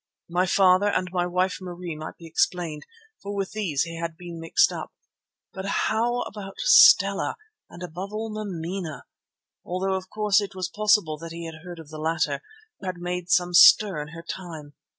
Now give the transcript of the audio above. My father and my wife Marie might be explained, for with these he had been mixed up, but how about Stella and above all Mameena, although of course it was possible that he had heard of the latter, who made some stir in her time?